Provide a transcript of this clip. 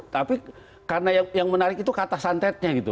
tapi karena yang menarik itu kata santetnya gitu